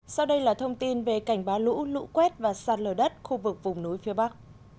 sau đây là thông tin về cảnh báo lũ lũ quét và sạt lở đất khu vực vùng núi phía bắc